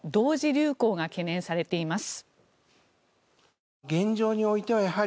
流行が懸念されています。